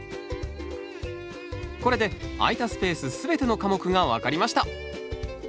これで空いたスペース全ての科目が分かりました。